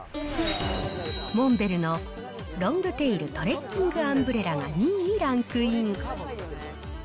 モンベルのロングテイルトレッキングアンブレラが２位にランクイン。